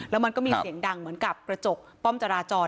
แล้วมันก็มีเสียงดังเหมือนกับกระจกป้อมจราจร